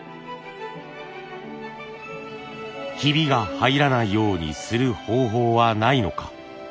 ヒビが入らないようにする方法はないのか。